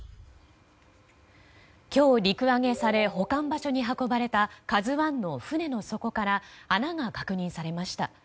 今日陸揚げされ保管場所に運ばれた「ＫＡＺＵ１」の船の底から穴が確認されました。